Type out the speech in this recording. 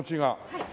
はい。